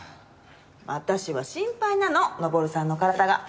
私は心配なの登さんの体が。